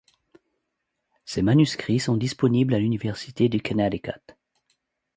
Ses manuscrits sont disponibles à l'Université du Connecticut.